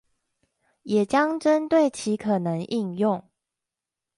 也將針對其可能應用